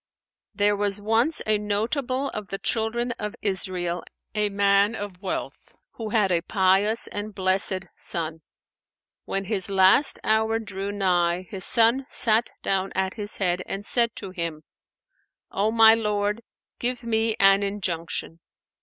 There was once a notable of the Children of Israel, a man of wealth who had a pious and blessed son. When his last hour drew nigh, his son sat down at his head and said to him, "O my lord, give me an injunction."